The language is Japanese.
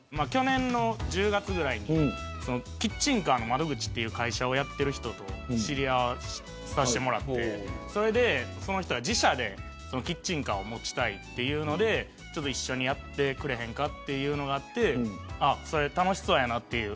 去年の１０月ぐらいにキッチンカーの窓口という会社をやっている人と知り合わさせてもらってその人が自社でキッチンカーを持ちたいというので自分、一緒にやってくれへんかというのがあってそれ、楽しそうやなと。